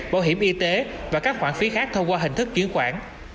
bảo hiểm y tế và các khoản phí khác thông qua hình thức chuyển khoản